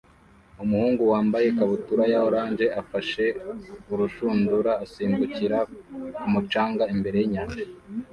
Umuhungu wambaye ikabutura ya orange afashe urushundura asimbukira ku mucanga imbere yinyanja